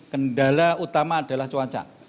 kendala utama adalah cuaca